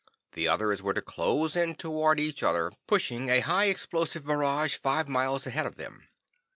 The others were to close in toward each other, pushing a high explosive barrage five miles ahead of them.